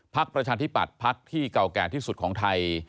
ประชาธิปัตย์พักที่เก่าแก่ที่สุดของไทย